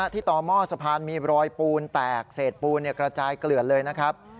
ต่อหม้อสะพานมีรอยปูนแตกเศษปูนกระจายเกลือดเลยนะครับ